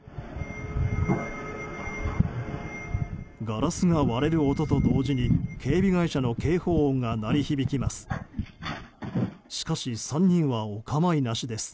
ガラスが割れる音と同時に警備会社の警報音が鳴り響きます。